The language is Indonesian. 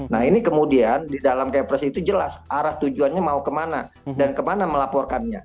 nah ini kemudian di dalam kepres itu jelas arah tujuannya mau kemana dan kemana melaporkannya